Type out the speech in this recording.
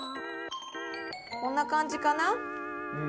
こんな感じかな。